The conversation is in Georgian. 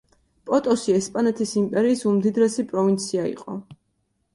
პოტოსი ესპანეთის იმპერიის უმდიდრესი პროვინცია იყო.